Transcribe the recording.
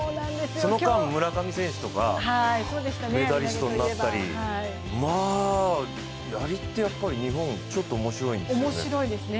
その間、村上選手とかがメダリストになったり、やりってやっぱり日本、ちょっと面白いんですよね。